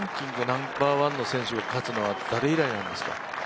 ナンバーワンの選手が勝つのは誰以来なんですか？